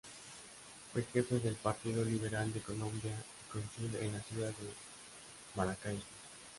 Fue Jefe del Partido Liberal de Colombia y cónsul en la ciudad de Maracaibo.